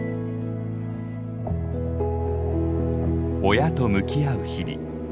親と向き合う日々。